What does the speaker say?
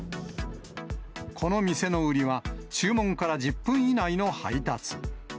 この店の売りは、注文から１０分以内の配達。